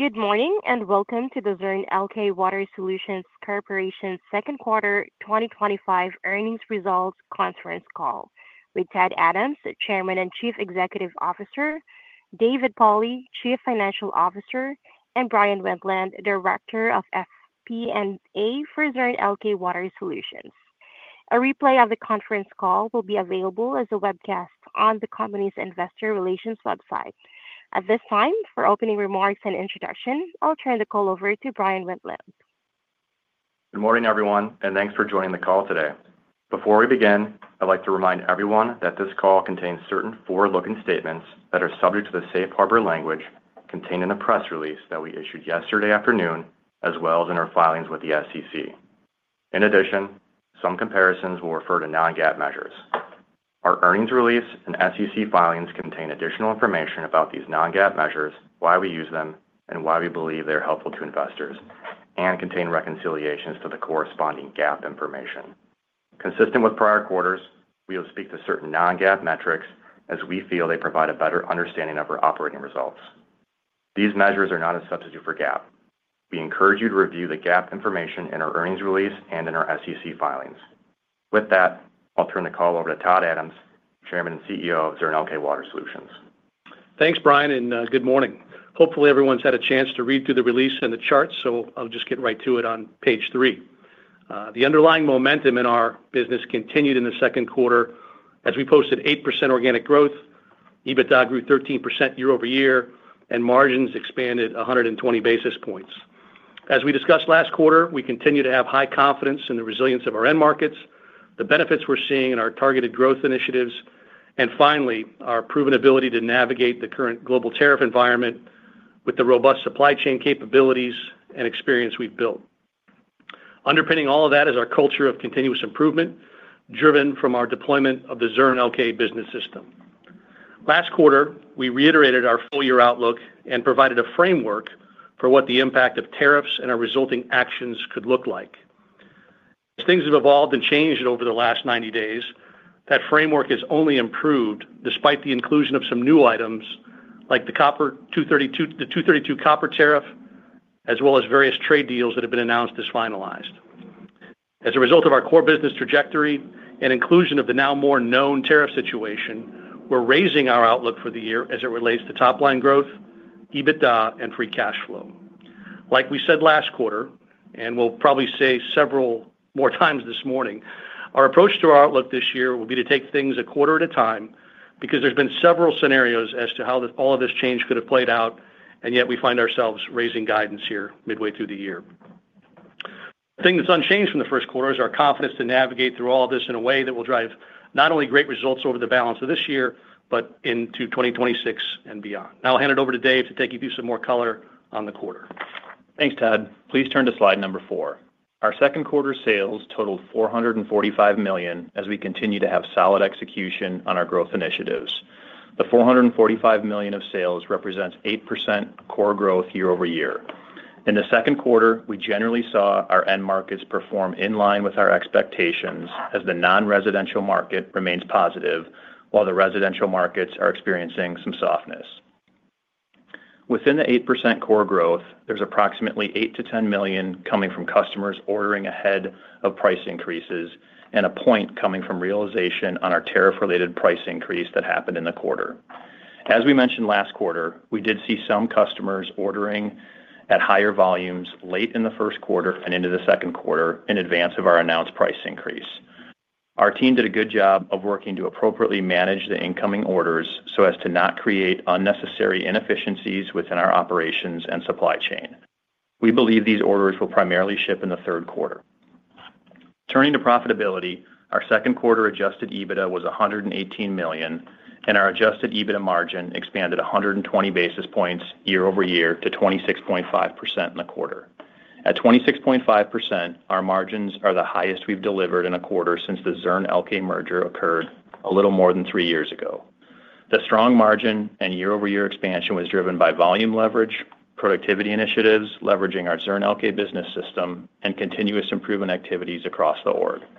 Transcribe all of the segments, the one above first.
Good morning and welcome to the Zurn Elkay Water Solutions Corporation Second Quarter 2025 Earnings Results conference call with Todd Adams, Chairman and Chief Executive Officer, David Pauli, Chief Financial Officer, and Bryan Wendlandt, Director of Financial Planning & Analysis for Zurn Elkay Water Solutions. A replay of the conference call will be available as a webcast on the company's investor relations website. At this time, for opening remarks and introduction, I'll turn the call over to Bryan Wendlandt. Good morning everyone and thanks for joining the call today. Before we begin, I'd like to remind everyone that this call contains certain forward-looking statements that are subject to the safe harbor language contained in a press release that we issued yesterday afternoon, as well as in our filings with the SEC. In addition, some comparisons will refer to non-GAAP measures. Our earnings release and SEC filings contain additional information about these non-GAAP measures, why we use them and why we believe they are helpful to investors, and contain reconciliations to the corresponding GAAP information consistent with prior quarters. We will speak to certain non-GAAP metrics as we feel they provide a better understanding of our operating results. These measures are not a substitute for GAAP. We encourage you to review the GAAP information in our earnings release and in our SEC filings. With that, I'll turn the call over to Todd Adams, Chairman and CEO of Zurn Elkay Water Solutions. Thanks Bryan and good morning. Hopefully everyone's had a chance to read through the release and the charts, so I'll just get right to it on page 3. The underlying momentum in our business continued in the second quarter as we posted 8% organic growth, EBITDA grew 13% year-over-year, and margins expanded 120 basis points. As we discussed last quarter, we continue to have high confidence in the resilience of our end markets, the benefits we're seeing in our targeted growth initiatives, and finally our proven ability to navigate the current global tariff environment with the robust supply chain capabilities and experience we've built. Underpinning all of that is our culture of continuous improvement driven from our deployment of the Zurn Elkay business system. Last quarter we reiterated our full year outlook and provided a framework for what the impact of tariffs and our resulting actions could look like. As things have evolved and changed over the last 90 days, that framework has only improved despite the inclusion of some new items like the 232 copper tariff as well as various trade deals that have been announced as finalized. As a result of our core business trajectory and inclusion of the now more known tariff situation, we're raising our outlook for the year as it relates to top line growth, EBITDA, and free cash flow. Like we said last quarter, and we'll probably say several more times this morning, our approach to our outlook this year will be to take things a quarter at a time because there's been several scenarios as to how all of this change could have played out, and yet we find ourselves raising guidance here midway through the year. The thing that's unchanged from the first quarter is our confidence to navigate through all this in a way that will drive not only great results over the balance of this year, but into 2026 and beyond. Now I'll hand it over to Dave to take you through some more color on the quarter. Thanks Todd. Please turn to slide number four. Our second quarter sales totaled $445 million as we continue to have solid execution on our growth initiatives. The $445 million of sales represents 8% core growth year-over-year. In the second quarter we generally saw our end markets perform in line with our expectations as the non-residential market remains positive while the residential markets are experiencing some softness. Within the 8% core growth, there's approximately $8-$10 million coming from customers ordering ahead of price increases and a point coming from realization on our tariff-related price increase that happened in the quarter. As we mentioned last quarter, we did see some customers ordering at higher volumes late in the first quarter and into the second quarter in advance of our announced price increase. Our team did a good job of working to appropriately manage the incoming orders so as to not create unnecessary inefficiencies within our operations and supply chain. We believe these orders will primarily ship in the third quarter. Turning to profitability, our second quarter adjusted EBITDA was $118 million and our adjusted EBITDA margin expanded 120 basis points year-over-year to 26.5% in the quarter. At 26.5%, our margins are the highest we've delivered in a quarter since the Zurn Elkay merger occurred a little more than three years ago. The strong margin and year-over-year expansion was driven by volume leverage, productivity initiatives, leveraging our Zurn Elkay business system, and continuous improvement activities across the organization.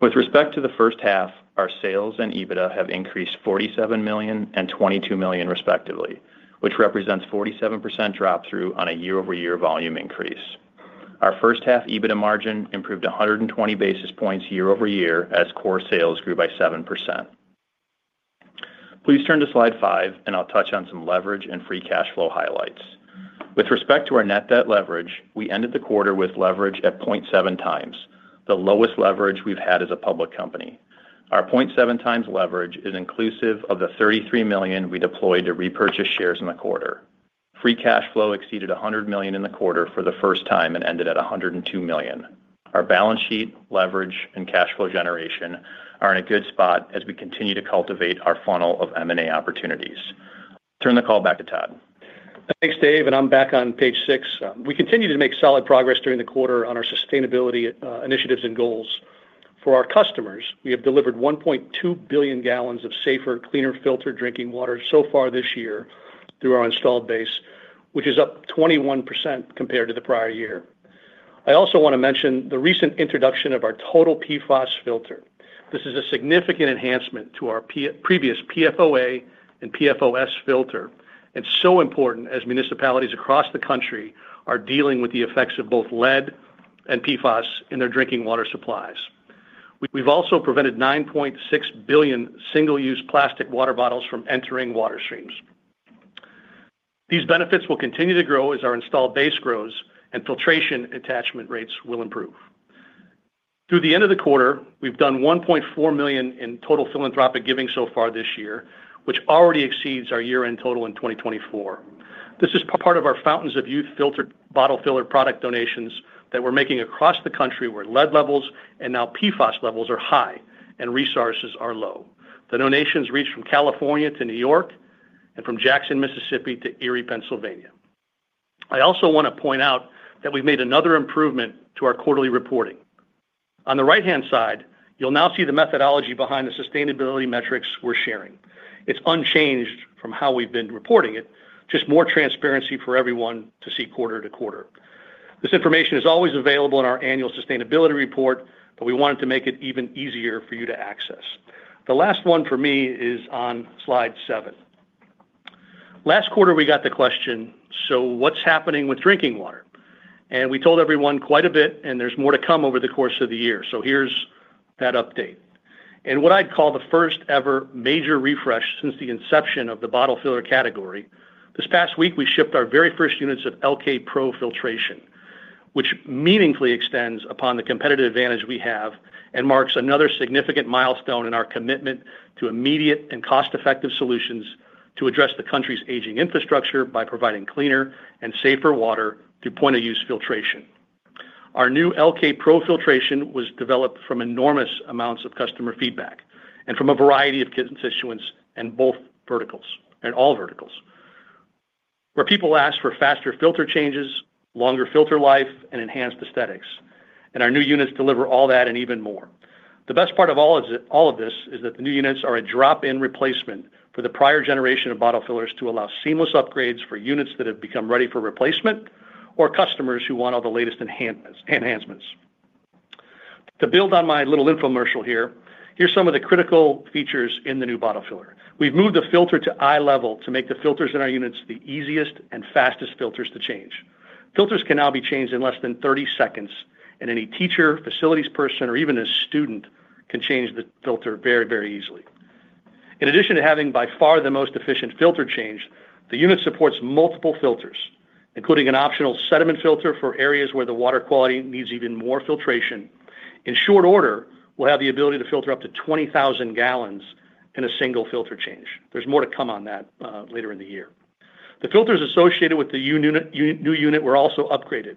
With respect to the first half, our sales and EBITDA have increased $47 million and $22 million respectively, which represents 47% drop through on a year-over-year volume increase. Our first half EBITDA margin improved 120 basis points year-over-year as core sales grew by 7%. Please turn to slide five and I'll touch on some leverage and free cash flow highlights. With respect to our net debt leverage, we ended the quarter with leverage at 0.7x, the lowest leverage we've had as a public company. Our 0.7x leverage is inclusive of the $33 million we deployed to repurchase shares in the quarter. Free cash flow exceeded $100 million in the quarter for the first time and ended at $102 million. Our balance sheet leverage and cash flow generation are in a good spot as we continue to cultivate our funnel of M&A opportunities. Turn the call back to Todd. Thanks Dave and I'm back on page six. We continue to make solid progress during the quarter on our sustainability initiatives and goals for our customers. We have delivered 1.2 billion gallons of safer, cleaner filtered drinking water so far this year through our installed base, which is up 21% compared to the prior year. I also want to mention the recent introduction of our total PFAS filter. This is a significant enhancement to our previous PFOA and PFOS filter and so important as municipalities across the country are dealing with the effects of both lead and PFAS in their drinking water supplies. We've also prevented 9.6 billion single use plastic water bottles from entering water streams. These benefits will continue to grow as our installed base grows and filtration attachment rates will improve through the end of the quarter. We've done $1.4 million in total philanthropic giving so far this year, which already exceeds our year end total in 2024. This is part of our Fountains of Youth filtered bottle filler product donations that we're making across the country where lead levels and now PFAS levels are high and resources are low. The donations reached from California to New York and from Jackson, Mississippi to Erie, Pennsylvania. I also want to point out that we've made another improvement to our quarterly reporting. On the right hand side you'll now see the methodology behind the sustainability metrics we're sharing. It's unchanged from how we've been reporting it, just more transparency for everyone to see quarter to quarter. This information is always available in our annual sustainability report, but we wanted to make it even easier for you to access. The last one for me is on slide 7. Last quarter we got the question, so what's happening with drinking water? We told everyone quite a bit and there's more to come over the course of the year. Here's that update and what I'd call the first ever major refresh since the inception of the bottle filler category. This past week we shipped our very first units of Elkay Pro Filtration which meaningfully extends upon the competitive advantage we have and marks another significant milestone in our commitment to immediate and cost-effective solutions to address the country's aging infrastructure by providing cleaner and safer water through point of use filtration. Our new Elkay Pro Filtration was developed from enormous amounts of customer feedback and from a variety of constituents and both verticals and all verticals where people ask for faster filter changes, longer filter life, and enhanced aesthetics, and our new units deliver all that and even more. The best part of all of this is that the new units are a drop-in replacement for the prior generation of bottle fillers to allow seamless upgrades for units that have become ready for replacement or customers who want all the latest enhancements. To build on my little infomercial here, here's some of the critical features in the new bottle filler. We've moved the filter to eye level to make the filters in our units the easiest and fastest filters to change. Filters can now be changed in less than 30 seconds, and any teacher, facilities person, or even a student can change the filter very, very easily. In addition to having by far the most efficient filter change, the unit supports multiple filters, including an optional sediment filter for areas where the water quality needs even more filtration. In short order, we will have the ability to filter up to 20,000 gallons in a single filter change. There's more to come on that later in the year. The filters associated with the new unit were also upgraded.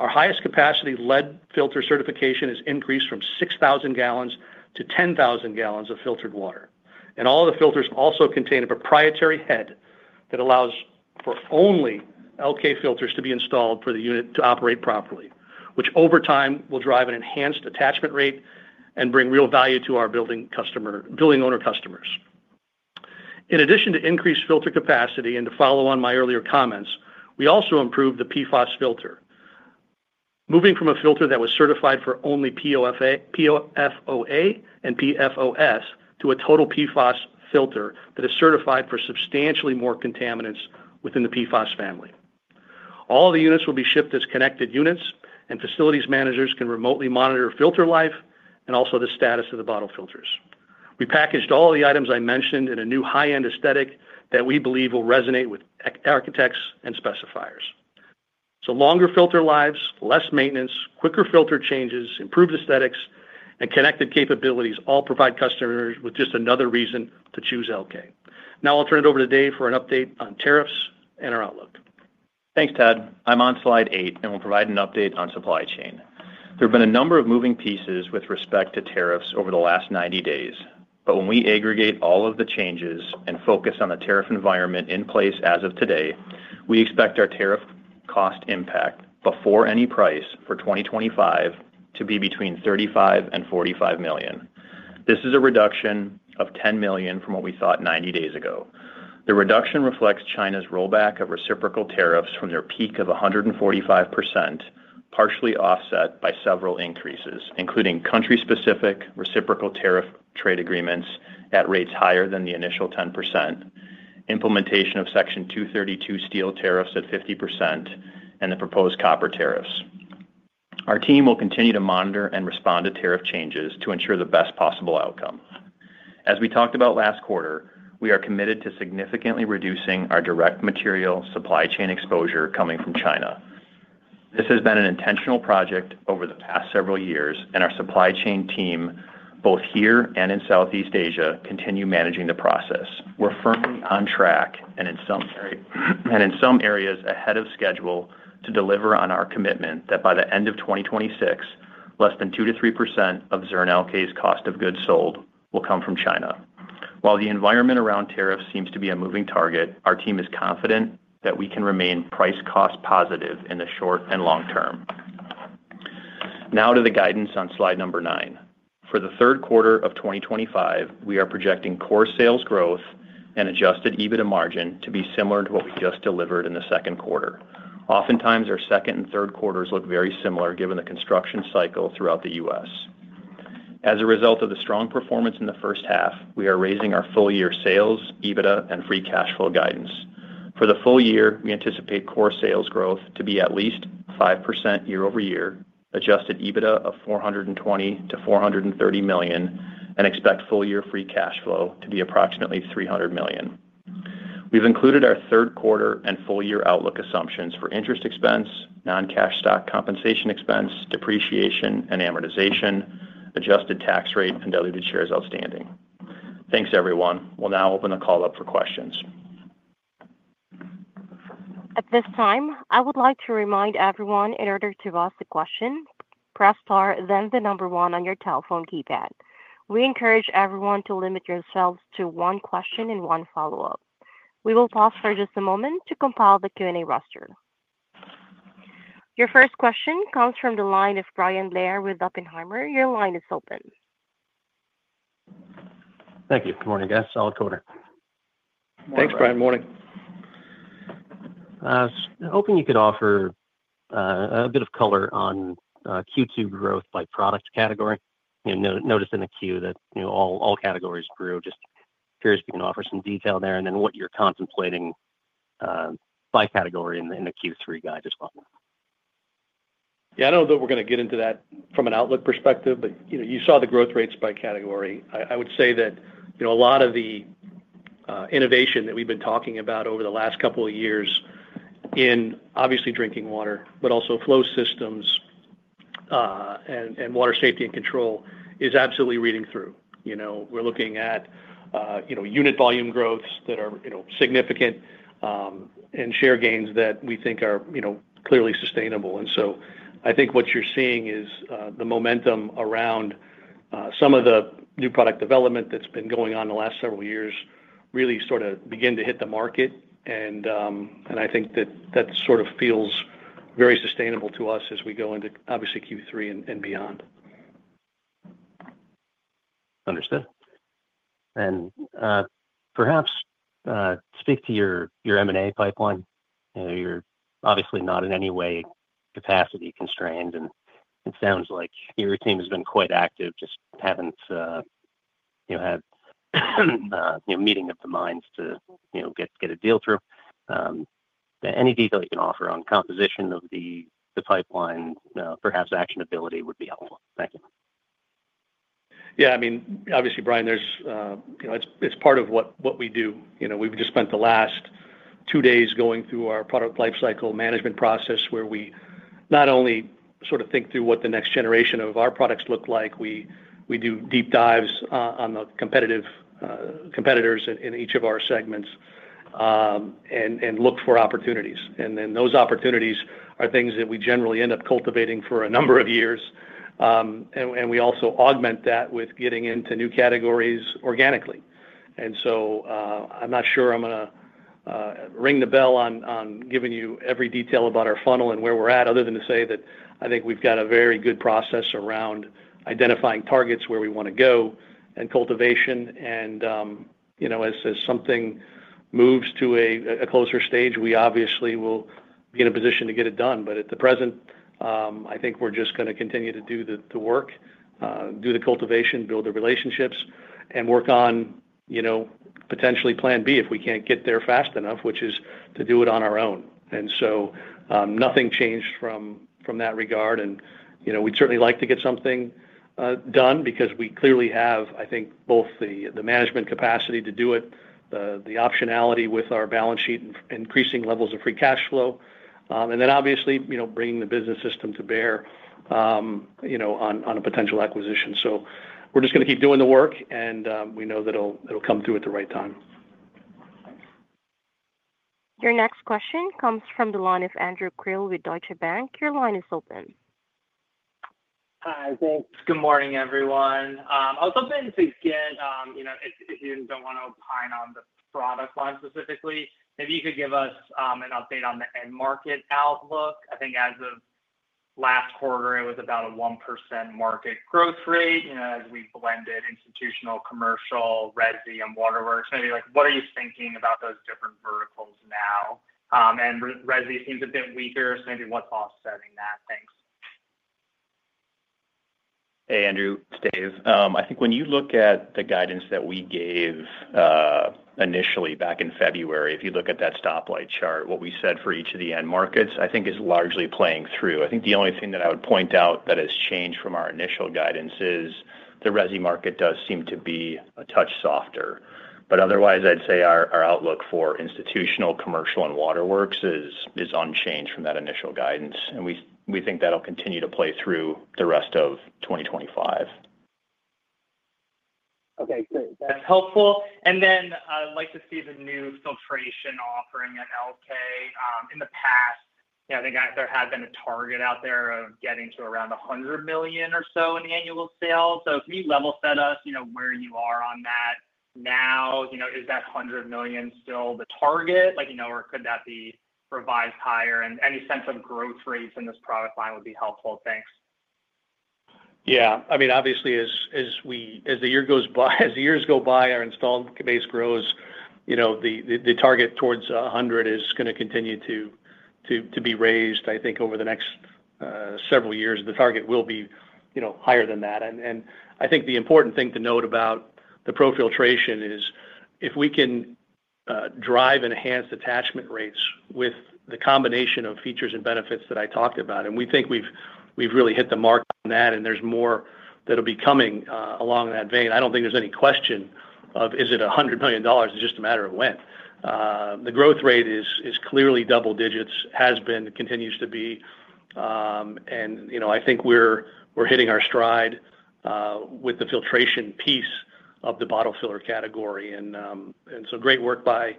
Our highest capacity lead filter certification is increased from 6,000 gallons to 10,000 gallons of filtered water, and all the filters also contain a proprietary head that allows for only Elkay filters to be installed for the unit to operate properly, which over time will drive an enhanced attachment rate and bring real value to our building owner customers. In addition to increased filter capacity and to follow on my earlier comments, we also improved the PFAS filter, moving from a filter that was certified for only PFOA and PFOS to a total PFAS filter that is certified for substantially more contaminants within the PFAS family. All the units will be shipped as connected units, and facilities managers can remotely monitor filter life and also the status of the bottle filters. We packaged all the items I mentioned in a new high-end aesthetic that we believe will resonate with architects and specifiers. Longer filter lives, less maintenance, quicker filter changes, improved aesthetics, and connected capabilities all provide customers with just another reason to choose Elkay. Now I'll turn it over to Dave for an update on tariffs and our outlook. Thanks, Todd. I'm on slide 8 and will provide an update on supply chain. There have been a number of moving pieces with respect to tariffs over the last 90 days, but when we aggregate all of the changes and focus on the tariff environment in place as of today, we expect our tariff cost impact before any price for 2025 to be between $35 million and $45 million. This is a reduction of $10 million from what we thought 90 days ago. The reduction reflects China's rollback of reciprocal tariffs from their peak of 145%, partially offset by several increases including country-specific reciprocal tariff trade agreements at rates higher than the initial 10%, implementation of Section 232 steel tariffs at 50%, and the proposed copper tariffs. Our team will continue to monitor and respond to tariff changes to ensure the best possible outcome. As we talked about last quarter, we are committed to significantly reducing our direct material supply chain exposure coming from China. This has been an intentional project over the past several years and our supply chain team both here and in Southeast Asia continue managing the process. We're firmly on track and in some areas ahead of schedule to deliver on our commitment that by the end of 2026 less than 2%-3% of Zurn Elkay's cost of goods sold will come from China. While the environment around tariffs seems to be a moving target, our team is confident that we can remain price cost positive in the short and long term. Now to the guidance on slide number 9. For the third quarter of 2025, we are projecting core sales growth and adjusted EBITDA margin to be similar to what we just delivered in the second quarter. Oftentimes our second and third quarters look very similar given the construction cycle throughout the U.S. As a result of the strong performance in the first half, we are raising our full year sales, EBITDA, and free cash flow guidance for the full year. We anticipate core sales growth to be at least 5% year-over-year, adjusted EBITDA of $420 million-$430 million, and expect full year free cash flow to be approximately $300 million. We've included our third quarter and full year outlook assumptions for interest expense, non-cash stock compensation expense, depreciation and amortization, adjusted tax rate, and diluted shares outstanding. Thanks everyone. We'll now open the call up for questions. At this time, I would like to remind everyone in order to ask a question, press star, then the number one on your telephone keypad. We encourage everyone to limit yourselves to one question and one follow-up. We will pause for just a moment to compile the Q&A roster. Your first question comes from the line of Bryan Blair with Oppenheimer. Your line is open. Thank you. Good morning, guys. Solid quarter. Thanks, Brian. Morning. I was hoping you could offer a bit of color on Q2 growth by product category. Notice in the queue that all categories grew. Just curious if you can offer some detail there, and then what you're contemplating by category in the Q3 guide as well. Yeah, I don't know that we're going to get into that from an outlook perspective, but you saw the growth rates by category. I would say that a lot of the innovation that we've been talking about over the last couple of years in obviously drinking water, but also flow systems and water safety and control is absolutely reading through. We're looking at unit volume growths that are significant and share gains that we think are clearly sustainable. I think what you're seeing is the momentum around some of the new product development that's been going on the last several years really sort of begin to hit the market. I think that that sort of feels very sustainable to us as we go into obviously Q3 and beyond. Understood. And perhaps speak to your M&A pipeline. You're obviously not in any way capacity constrained, and it sounds like your team has been quite active. Just haven't had a meeting of the minds to get a deal through any detail you can offer on composition of the pipeline. Perhaps actionability would be helpful. Thank you. Yeah, I mean, obviously, Bryan, it's part of what we do. We've just spent the last two days going through our product life cycle management process where we not only sort of think through what the next generation of our products look like, we do deep dives on the competitors in each of our segments and look for opportunities. Those opportunities are things that we generally end up cultivating for a number of years. We also augment that with getting into new categories organically. I'm not sure I'm going to ring the bell on giving you every detail about our funnel and where we're at, other than to say that I think we've got a very good process around identifying targets where we want to go and cultivation. As something moves to a closer stage, we obviously will be in a position to get it done. At the present, I think we're just going to continue to do the work, do the cultivation, build the relationships, and work on potentially plan B if we can't get there fast enough, which is to do it on our own. Nothing changed from that regard. We'd certainly like to get something done because we clearly have, I think, both the management capacity to do it, the optionality with our balance sheet and increasing levels of free cash flow, and then obviously bringing the business system to bear on a potential acquisition. We're just going to keep doing the work and we know that it'll come through at the right time. Your next question comes from the line of Andrew Krill with Deutsche Bank. Your line is open. Hi. Thanks. Good morning, everyone. I was hoping to get, you know if you don't want to opine on. The product line specifically, maybe you could give us an update on the end market outlook. I think as of last quarter it was about a 1% market growth rate as we blended Institutional, Commercial, Resi, and Waterworks. Maybe like, what are you thinking about those different verticals now? Resi seems a bit weaker, so maybe what's offsetting that? Thanks. Hey, Andrew. It's Dave, I think when you look at the guidance that we gave initially back in February, if you look at that stoplight chart, what we said for each of the end markets, I think is largely playing through. I think the only thing that I would point out that has changed from our initial guidance is the Resi market does seem to be a touch softer. Otherwise, I'd say our outlook for Institutional, Commercial, and Waterworks is unchanged from that initial guidance. We think that'll continue to play through the rest of 2025. Okay, great, that's helpful. I'd like to see the new filtration offering at Elkay. In the past, I think there had been a target out there of getting to around $100 million or so in the annual sale. Can you level set us where? Are you on that now? Is that $100 million still the target or could that be revised higher, and any sense of growth rates in this product line would be helpful. Thanks. Yeah, I mean, obviously as the year goes by, as the years go by, our installed base grows. The target towards $100 is going to continue to be raised. I think over the next several years the target will be higher than that. The important thing to note about the Pro Filtration is if we can drive enhanced attachment rates with the combination of features and benefits that I talked about. We think we've really hit the mark on that. There's more that will be coming along that vein. I don't think there's any question of, is it $100 million? It's just a matter of when. The growth rate is clearly double digits, has been, continues to be. I think we're hitting our stride with the filtration piece of the bottle filler category. Great work by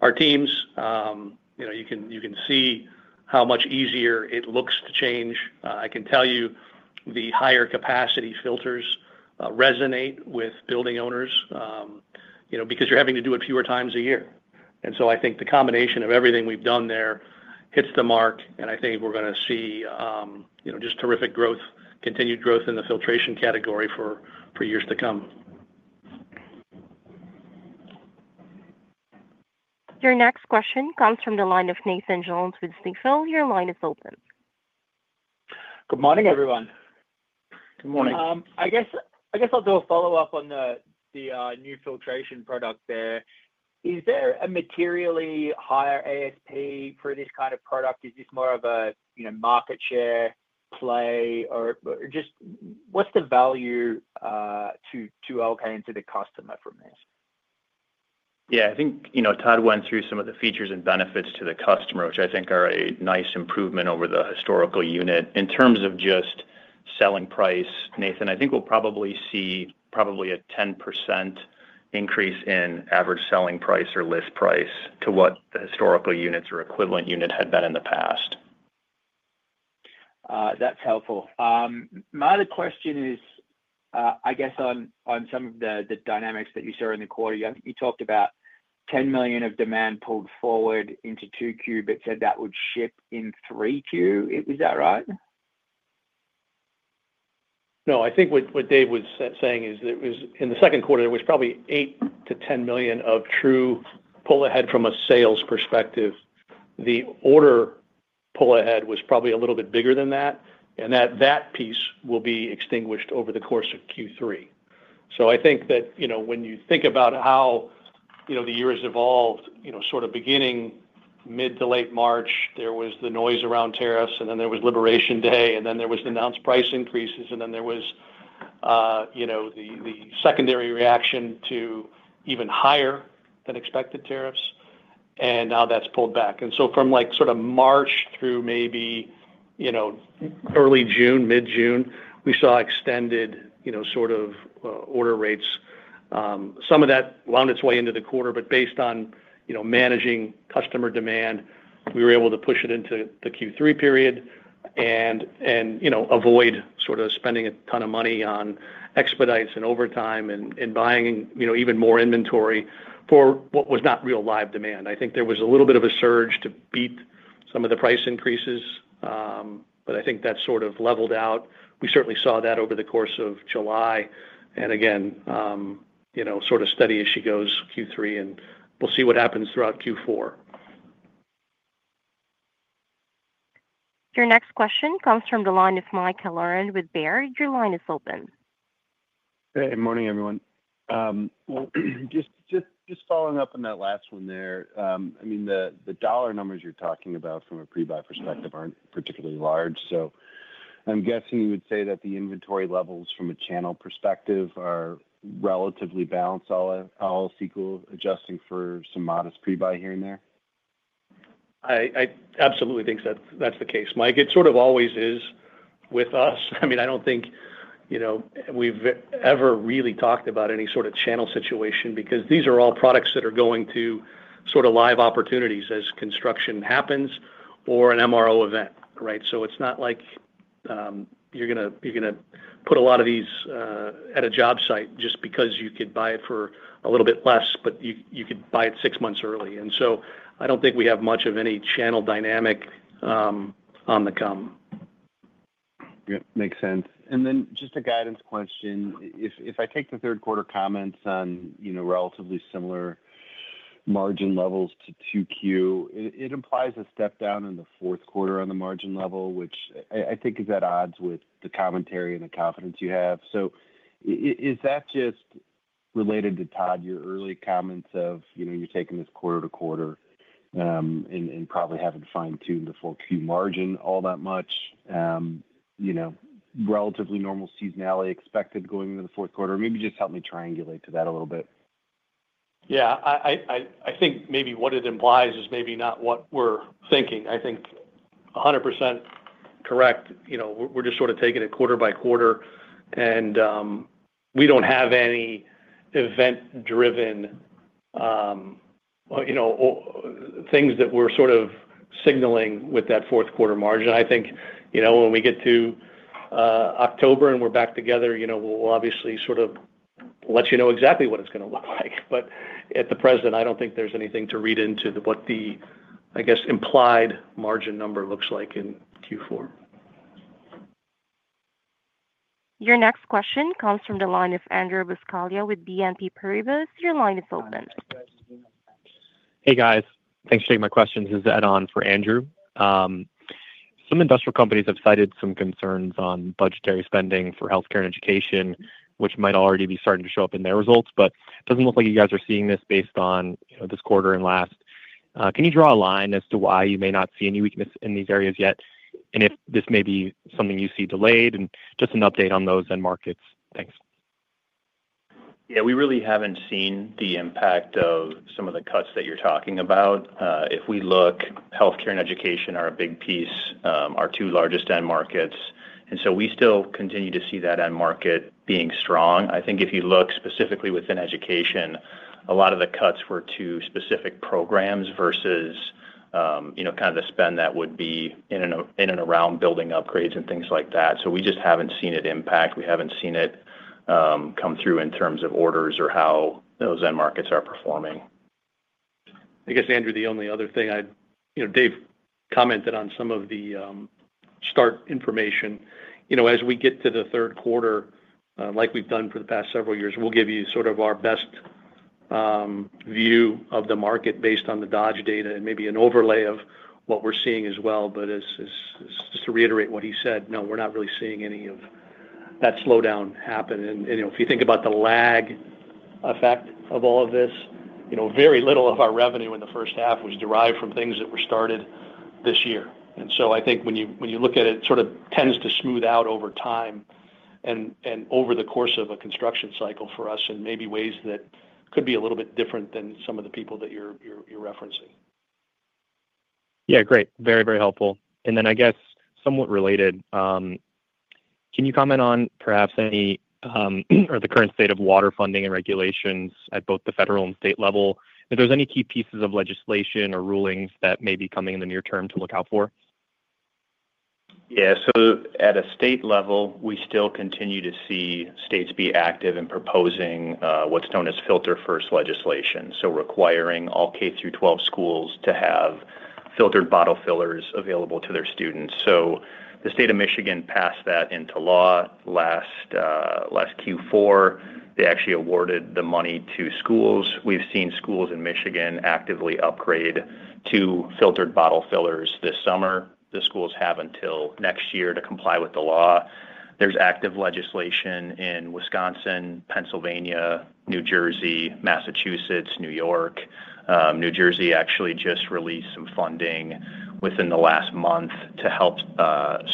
our teams. You can see how much easier it looks to change. I can tell you the higher capacity filters resonate with building owners because you're having to do it fewer times a year. I think the combination of everything we've done there hits the mark. I think we're going to see just terrific growth, continued growth in the filtration category for years to come. Your next question comes from the line of Nathan Jones with Stifel, your line is open. Good morning, everyone. Good morning. I guess I'll do a follow-up on the new filtration product there. Is there a materially higher ASP for this kind of product? Is this more of a market share play or just what's the value to? Yeah, I think Todd went through some of the features and benefits to the customer, which I think are a nice improvement over the historical unit in terms of selling price. Nathan, I think we'll probably see probably a 10% increase in average selling price or list price to what the historical units or equivalent unit had been in the past. That's helpful. My other question is, I guess on some of the dynamics that you saw in the quarter, you talked about $10 million of demand pulled forward into 2Q but said that would ship in 3Q, is that right? No, I think what Dave was saying is in the second quarter there was probably $8-$10 million of true pull ahead. From a sales perspective, the order pull ahead was probably a little bit bigger than that. That piece will be extinguished over the course of Q3. I think that when you think about how the year's evolved, sort of beginning mid to late March, there was the noise around tariffs, then there was Liberation Day, then there was announced price increases, then there was the secondary reaction to even higher than expected tariffs. Now that's pulled back. From like sort of March through maybe early June, mid-June, we saw extended sort of order rates. Some of that wound its way into the quarter, but based on managing customer demand, we were able to push it into the Q3 period and avoid spending a ton of money on expedites and overtime and buying even more inventory for what was not real live demand. I think there was a little bit of a surge to beat some of the price increases, but I think that sort of leveled out. We certainly saw that over the course of July and again, sort of steady as she goes Q3 and we'll see what happens throughout Q4. Your next question comes from the line of Mike Halloran with Baird. Your line is open. Good morning, everyone. Just following up on that last one there. I mean the dollar numbers you're talking about from a pre-buy perspective aren't particularly large. I'm guessing you would say that the inventory levels from a channel perspective are relatively balanced, all sequel adjusting for some modest pre-buy here and there. I absolutely think that's the case, Mike. It sort of always is with us. I mean I don't think we've ever really talked about any sort of channel situation because these are all products that are going to sort of live opportunities as consumption construction happens or an MRO event. Right. It's not like you're going to put a lot of these at a job site just because you could buy it for a little bit less, but you could buy it six months early. I don't think we have much of any channel dynamic on the come. Makes sense. Then just a guidance question. If I take the third quarter comments on relatively similar margin levels to 2Q. It implies a step down in the fourth quarter on the margin level, which I think is at odds with the commentary and the confidence you have. Is that just related to Todd, your early comments of, you know, you're taking this quarter to quarter and probably haven't fine tuned the full Q margin all that much? You know, relatively normal seasonality expected going into the fourth quarter. Maybe just help me triangulate to that a little bit. Yeah, I think maybe what it implies is maybe not what we're thinking. I think 100% correct. We're just sort of taking it quarter by quarter, and we don't have any event driven things that we're sort of signaling with that fourth quarter margin. When we get to October and we're back together, we'll obviously sort of let you know exactly what it's going to look like. At the present, I don't think there's anything to read into what the, I guess, implied margin number looks like in Q4. Your next question comes from the line of Andrew Buscaglia with BNP Paribas. Your line is open. Hey guys, thanks for taking my questions. This is add on for Andrew. Some industrial companies have cited some concerns on budgetary spending for healthcare and education, which might already be starting to show up in their results. It doesn't look like you guys are seeing this based on this quarter. Can you draw a line as to why you may not see any weakness in these areas yet? If this may be something you see delayed and just an update on those end markets. Thanks. Yeah, we really haven't seen the impact of some of the cuts that you're talking about. If we look, healthcare and education are a big piece, our two largest end markets, and we still continue to see that end market being strong. I think if you look specifically within education, a lot of the cuts were to specific programs versus the spend that would be in and around building upgrades and things like that. We just haven't seen it impact. We haven't seen it come through in terms of orders or how those end markets are performing. I guess. Andrew, the only other thing I'd, you know, Dave commented on some of the start information. As we get to the third quarter, like we've done for the past several years, we'll give you sort of our best view of the market based on the Dodge Data and maybe an overlay of what we're seeing as well. Just to reiterate what he said, no, we're not really seeing any of that slowdown happen. If you think about the lag effect of all of this, very little of our revenue in the first half was derived from things that were started this year. I think when you look at it, it sort of tends to smooth out over time and over the course of a construction cycle for us and maybe in ways that could be a little bit different than some of the people that you're referencing. Yeah, great. Very, very helpful. I guess somewhat related, can you comment on perhaps any or the current state of water funding and regulations at both the federal and state level if there's any key pieces of legislation or rulings that may be coming in the near term to look out for. Yeah. At a state level, we still continue to see states be active in proposing what's known as filter first legislation, requiring all K through 12 schools to have filtered bottle fillers available to their students. The state of Michigan passed that into law last Q4. They actually awarded the money to schools. We've seen schools in Michigan actively upgrade to filtered bottle fillers this summer. The schools have until next year to comply with the law. There's active legislation in Wisconsin, Pennsylvania, New Jersey, Massachusetts, New York. New Jersey actually just released some funding within the last month to help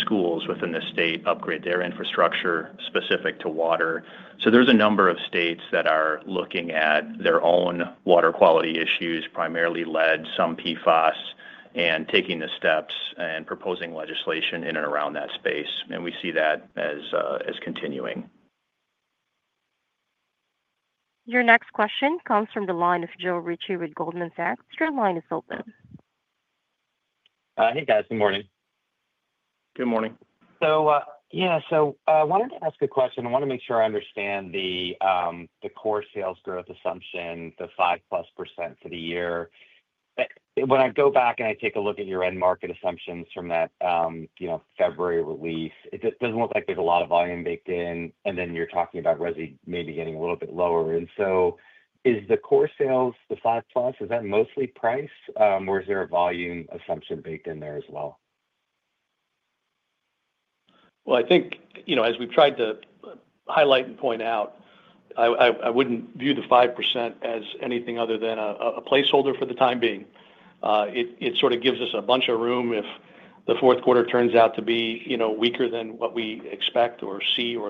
schools within the state upgrade their infrastructure specific to water. There's a number of states that are looking at their own water quality issues, primarily lead, some PFAS, and taking the steps and proposing legislation in and around that space. We see that as continuing. Your next question comes from the line of Joe Ritchie with Goldman Sachs. Your line is open. Hey guys. Good morning. Good morning. I wanted to ask a question. I want to make sure I understand the core sales growth assumption, the 5% plus for the year. When I go back and I take a look at your end market assumptions from that February release, it— Doesn't look like there's a lot of volume baked in, and then you're talking about Resi maybe getting a little bit lower. Is the core sales, the five plus, is that mostly price, or is there a volume assumption baked in there as well? I think, as we've tried to highlight and point out, I wouldn't view the 5% as anything other than a placeholder for the time being. It sort of gives us a bunch of room if the fourth quarter turns out to be weaker than what we expect or see. We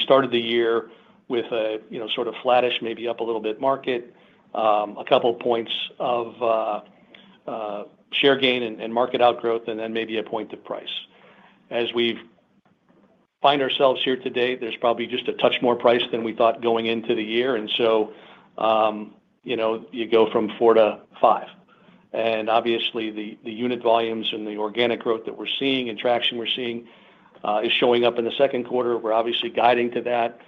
started the year with a sort of flattish, maybe up a little bit, market, a couple points of share gain and market outgrowth, and then maybe a point of price as we find ourselves here today. There's probably just a touch more price than we thought going into the year. You go from four to five, and obviously the unit volumes and the organic growth that we're seeing and traction we're seeing is showing up in the second quarter. We're obviously guiding to that.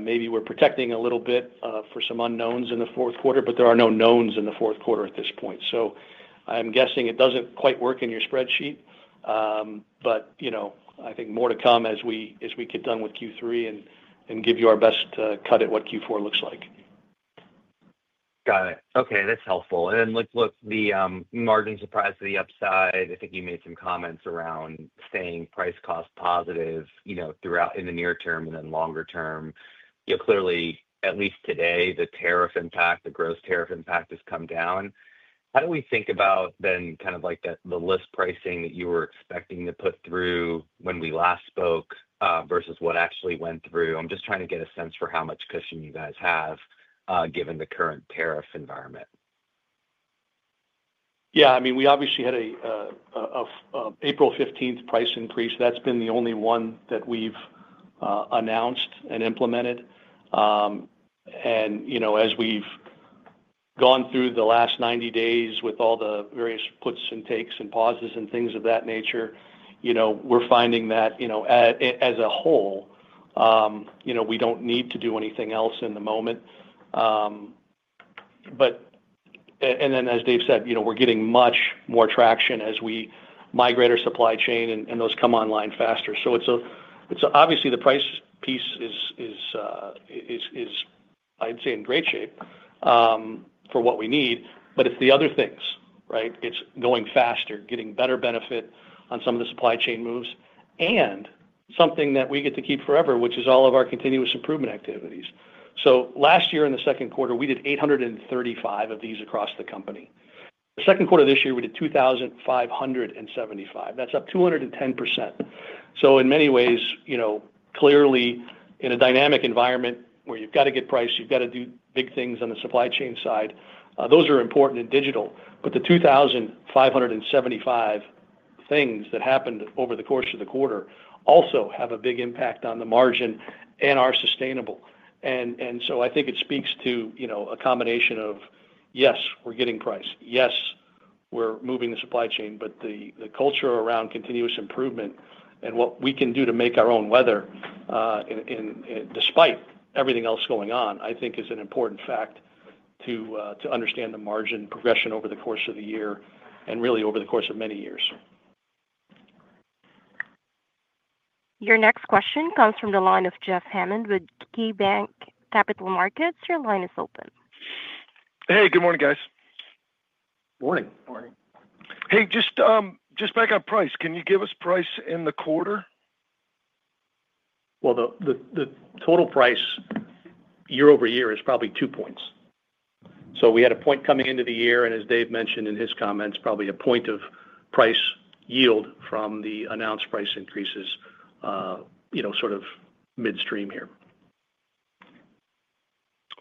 Maybe we're protecting a little bit for some unknowns in the fourth quarter. There are no knowns in the fourth quarter at this point. I'm guessing it doesn't quite work in your spreadsheet. I think more to come as we get done with Q3 and give you our best cut at what Q4 looks like. Got it. Okay, that's helpful. Let's look at the margin surprise to the upside. I think you made some comments around staying price cost positive throughout in the near term, and then longer term, clearly at least today, the gross tariff impact has come down. How do we think about, then, kind of like the list pricing that you were expecting to put through when we last spoke versus what actually went through? I'm just trying to get a sense for how much cushion you guys have given the current tariff environment. Yeah, I mean, we obviously had an April 15 price increase. That's been the only one that we've announced and implemented. As we've gone through the last 90 days, with all the various puts and takes and pauses and things of that nature, we're finding that, as a whole, we don't need to do anything else in the moment. And as Dave said, we're getting much more traction as we migrate our supply chain and those come online faster. It's obvious the price piece is, I'd say, in great shape for what we need, but it's the other things, right? It's going faster, getting better benefit on some of the supply chain moves, and something that we get to keep forever, which is all of our continuous improvement activities. Last year in the second quarter, we did 835 of these across the company. The second quarter this year, we did 2,575. That's up 210%. In many ways, clearly in a dynamic environment where you've got to get price, you've got to do big things on the supply chain side, those are important in Digital. The 2,575 things that happened over the course of the quarter also have a big impact on the margin and are sustainable. I think it speaks to a combination of, yes, we're getting price, yes, we're moving the supply chain, but the culture around continuous improvement and what we can do to make our own weather, despite everything else going on, is an important factor to understand the margin progression over the course of the year and really over the course of many years. Your next question comes from the line of Jeff Hammond with KeyBanc Capital Markets. Your line is open. Hey, good morning, guys. Morning. Hey, just back on price, can you give us price in the quarter? The total price year-over-year is probably two points. We had a point coming into the year and as Dave mentioned in his comments, probably a point of price yield from the announced price increases, sort of midstream here.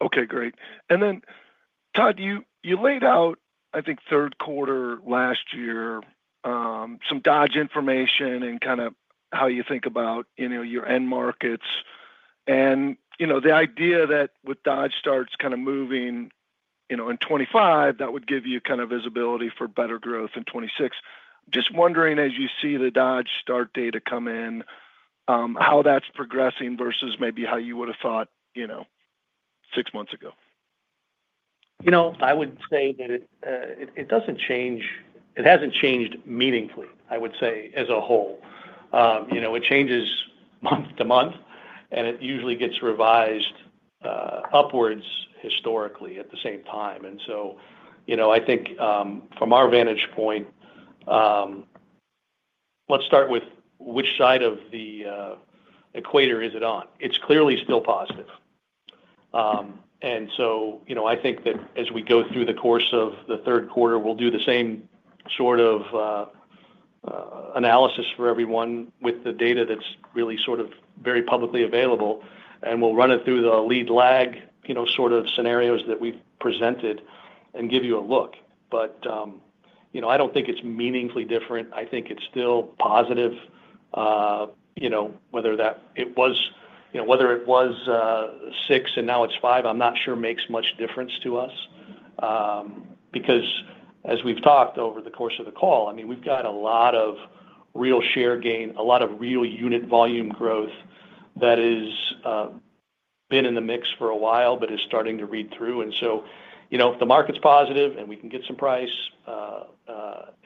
Okay, great. Todd, you laid out, I think, third quarter last year, some Dodge information and kind of how you think about your end markets and the idea that with Dodge starts kind of moving in 2025, that would give you kind of visibility for better growth in 2026. Just wondering, as you see the Dodge Start data come in, how that's progressing versus maybe how you would have thought six months ago. I would say that it doesn't change, it hasn't changed meaningfully. I would say as a whole, it changes month-to-month and it usually gets revised upwards historically at the same time. From our vantage point, let's start with which side of the equator is it on. It's clearly still positive. I think that as we go through the course of the third quarter, we'll do the same sort of analysis for everyone with the data that's really very publicly available and we'll run it through the lead lag scenarios that we've presented and give you a look. I don't think it's meaningfully different. I think it's still positive. Whether it was six and now it's five, I'm not sure. Makes much difference to us because as we've talked over the course of the call, we've got a lot of real share gain, a lot of real unit volume growth that has been in the mix for a while but is starting to read through. If the market's positive and we can get some price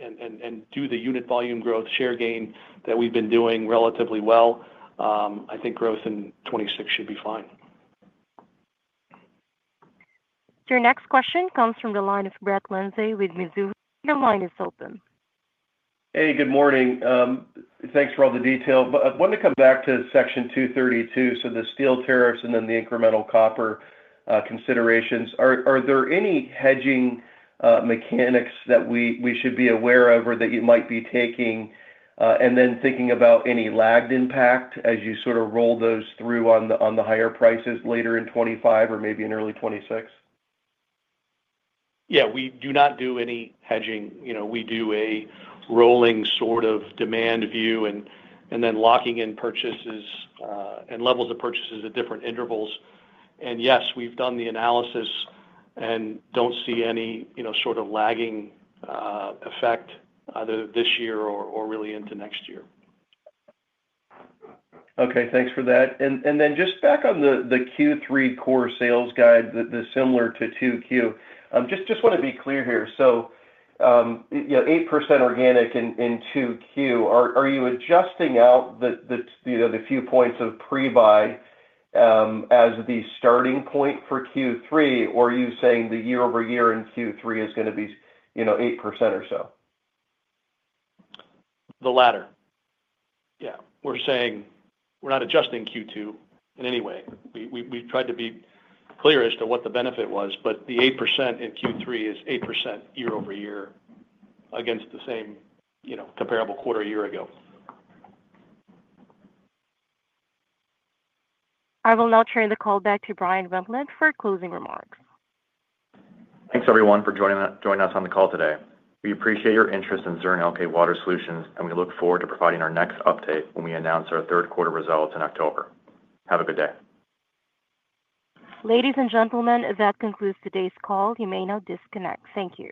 and do the unit volume growth, share gain that we've been doing relatively well, I think growth in 2026 should be fine. Your next question comes from the line of Brett Linzey with Mizu. Your line is open. Hey, good morning. Thanks for all the detail, but I wanted to come back to Section 232. So the steel tariffs and then the incremental copper considerations, are there any hedging mechanics that we should be aware of or that you might be taking and then thinking about any lagged impact as you sort of roll those through on the higher prices later in 2025 or maybe in early 2026? Yeah, we do not do any hedging. We do a rolling sort of demand view and then locking in purchases and levels of purchases at different intervals. Yes, we've done the analysis and don't see any lagging effect either this year or really into next year. Okay, thanks for that. Then just back on the Q3 core sales guide, similar to 2Q. Just want to be clear here. So 8% organic in 2Q, are you adjusting out the few points of pre buy as the starting point for Q3 or are you saying the year-over-year in Q3 is going to be 8% or so? The latter, yeah. We're saying we're not adjusting Q2 in any way. We tried to be clear as to what the benefit was, but the 8% in Q3 is 8% year-over-year against the same comparable quarter a year ago. I will now turn the call back to Bryan Wendlandt for closing remarks. Thanks everyone for joining us on the call today. We appreciate your interest in Zurn Elkay Water Solutions and we look forward to providing our next update when we announce our third quarter results in October. Have a good day. Ladies and gentlemen, that concludes today's call. You may now disconnect. Thank you.